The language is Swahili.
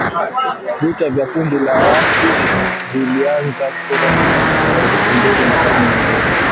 Vita vya kundi la waasi vilianza mwaka elfu mbili na kumi na mbili na kuendelea hadi mwaka elfu mbili na kumi na tatu .